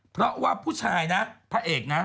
เพราะว่าผู้ชายนะพระเอกนะ